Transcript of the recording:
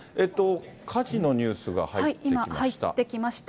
火事のニュースが入ってきました。